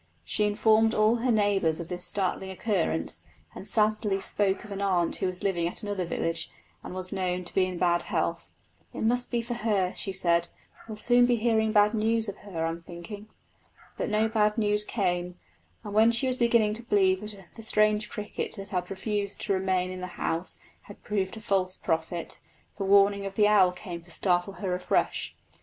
She informed all her neighbours of this startling occurrence, and sadly spoke of an aunt who was living at another village and was known to be in bad health. "It must be for her," she said; "we'll soon be hearing bad news of her, I'm thinking." But no bad news came, and when she was beginning to believe that the strange cricket that had refused to remain in the house had proved a false prophet, the warning of the owl came to startle her afresh.